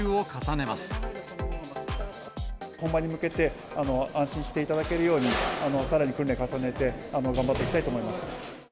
本番に向けて、安心していただけるように、さらに訓練を重ねて、頑張っていきたいと思います。